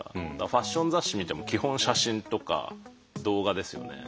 ファッション雑誌見ても基本写真とか動画ですよね。